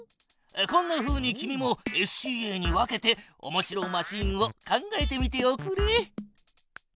こんなふうに君もＳＣＡに分けておもしろマシーンを考えてみておくれ。